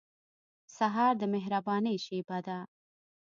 سهار د مهربانۍ شېبه ده.